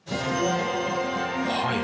はい。